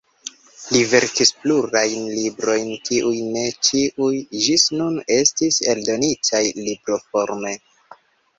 Li verkis plurajn librojn kiuj ne ĉiuj ĝis nun estis eldonitaj libroforme.